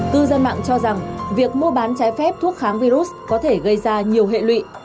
cư dân mạng cho rằng việc mua bán trái phép thuốc kháng virus có thể gây ra nhiều hệ lụy